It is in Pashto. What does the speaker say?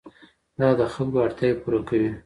دا د خلکو اړتیاوې پوره کوي.